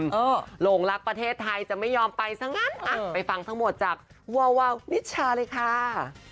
หลงรักประเทศไทยจะไม่ยอมไปซะงั้นอ่ะไปฟังทั้งหมดจากวาวาวนิชชาเลยค่ะ